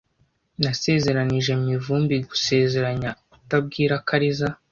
Nasezeranije Mivumbi gusezeranya kutabwira Kariza .